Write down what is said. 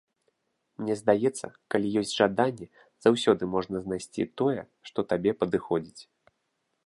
Мне здаецца, калі ёсць жаданне, заўсёды можна знайсці тое, што табе падыходзіць.